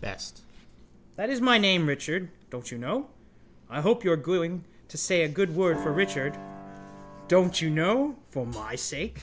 BEST: That is my name, Richard, don't you know. I hope you are going to say a good word for Richard, don't you know, for my sake.